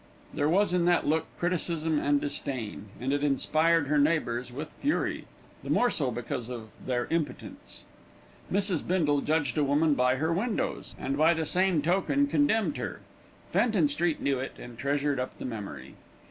There was in that look criticism and disdain, and it inspired her neighbours with fury, the more so because of their impotence. Mrs. Bindle judged a woman by her windows and by the same token condemned her. Fenton Street knew it, and treasured up the memory.